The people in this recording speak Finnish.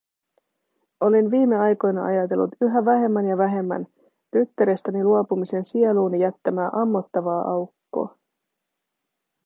Olin viimeaikoina ajatellut yhä vähemmän ja vähemmän tyttärestäni luopumisen sieluuni jättämää ammottavaa aukkoa.